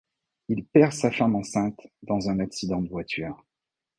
Il perd sa femme enceinte dans un accident de voiture.